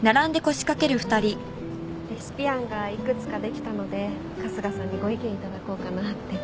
レシピ案が幾つかできたので春日さんにご意見頂こうかなって。